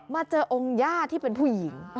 มาเจอองค์ญาติที่เป็นผู้หญิง